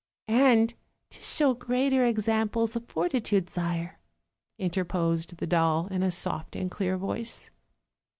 "And to show greater examples of fortitude, sire," interposed the doll, in a soft and clear voice.